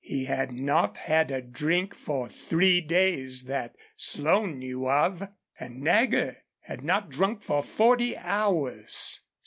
He had not had a drink for three days that Slone knew of. And Nagger had not drunk for forty hours.